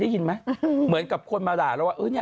ถ้าอย่างนี้อย่างนี้พวกมันต้องตายและเกิดใหม่